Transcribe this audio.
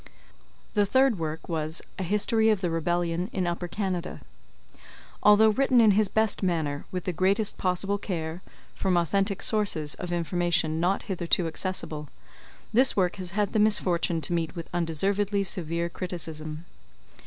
The third work was a "History of the Rebellion in Upper Canada." Although written in his best manner, with the greatest possible care, from authentic sources of information not hitherto accessible, this work has had the misfortune to meet with undeservedly severe criticism.